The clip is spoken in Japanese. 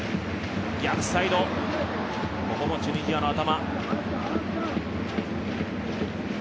逆サイド、ここもチュニジアの頭。